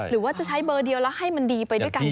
หรือว่าจะใช้เบอร์เดียวแล้วให้มันดีไปด้วยกัน